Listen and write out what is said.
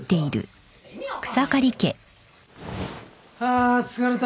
あ疲れた。